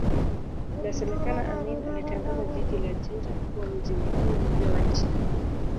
Inasemekana Amin alitangaza jiji la Jinja kuwa mji mkuu mpya wa nchi yake